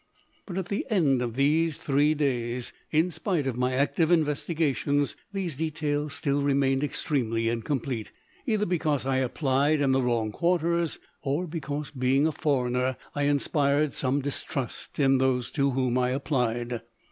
But at the end of these three days, in spite of my active investigations, these details still remained extremely incomplete, either because I applied in the wrong quarters, or because, being a foreigner, I inspired same distrust in those to whom I applied.